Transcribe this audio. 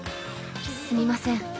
すみません。